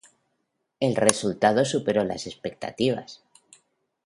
El resultado superó las expectativas.